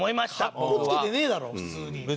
かっこつけてねえだろ普通に。